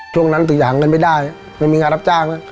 ช่วงนั้นคือหาเงินไม่ได้ไม่มีงานรับจ้างนะ